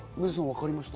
分かりました？